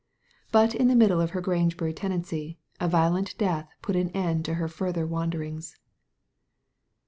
But in the middle of her Grangebury tenancy, a violent death put an end to her further wanderings.